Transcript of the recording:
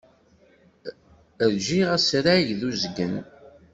Ṛjiɣ asrag d uzgen.